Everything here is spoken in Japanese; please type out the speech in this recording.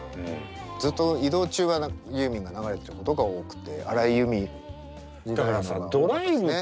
ずっと移動中はユーミンが流れてることが多くて荒井由実みたいなのが多かったですね。